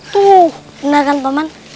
tuh benar kan paman